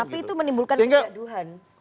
tapi itu menimbulkan kegaduhan